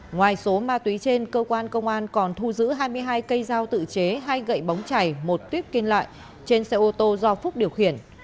ngoài số ma túy trên cơ quan công an còn thu giữ hai mươi hai cây dao tự chế hai gậy bóng chảy một tuyếp kênh lại trên xe ô tô do phúc điều khiển